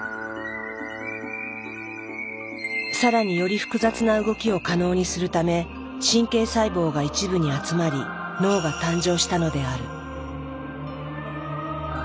更により複雑な動きを可能にするため神経細胞が一部に集まり脳が誕生したのである。